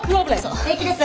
平気です。